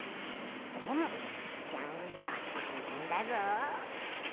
でもジャングリラはたいへんだぞ。